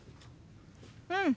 うん。